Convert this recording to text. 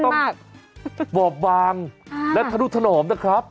คุณควรจะต้องบอบบางและทะลุทะหนอมนะครับ